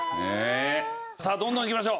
さあどんどんいきましょう。